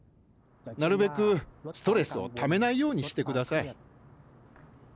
なるべくストレスをためないようにしてください。